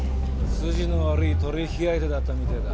筋の悪い取引相手だったみてえだ。